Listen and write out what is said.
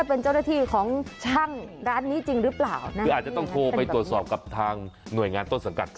เป็นเจ้าหน้าที่ของช่างร้านนี้จริงหรือเปล่านะคืออาจจะต้องโทรไปตรวจสอบกับทางหน่วยงานต้นสังกัด